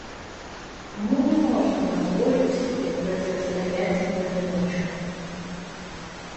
Мы не можем позволить себе противостоять им в одиночку.